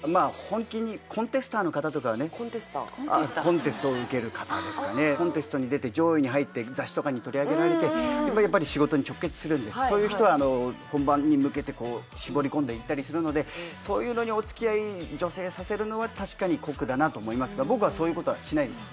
本気にコンテスター？コンテストに出て上位に入って雑誌とかに取り上げられてやっぱり仕事に直結するんでそういう人は本番に向けてこう絞り込んでいったりするのでそういうのにおつきあい女性させるのは確かに酷だなと思いますが僕はそういうことはしないです